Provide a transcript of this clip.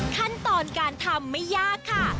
ขั้นตอนการทำไม่ยากค่ะ